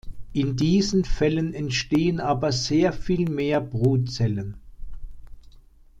In diesen Fällen entstehen aber sehr viel mehr Brutzellen.